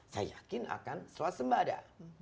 saya yakin akan seluas sembah ada